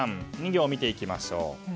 ２行、見ていきましょう。